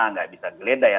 nggak bisa geledah ya